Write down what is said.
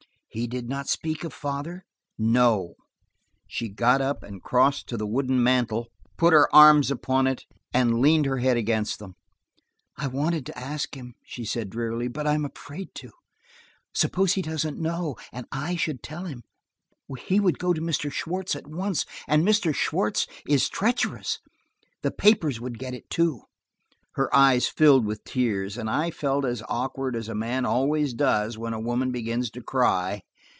"He did not speak of father ?" "No." She got up and crossing to the wooden mantel, put her arms upon it and leaned her head against them. "I wanted to ask him," she said drearily, "but I am afraid to. Suppose he doesn't know and I should tell him! He would go to Mr. Schwartz at once, and Mr. Schwartz is treacherous. The papers would get it, too." Her eyes filled with tears, and I felt as awkward as a man always does when a woman begins to cry.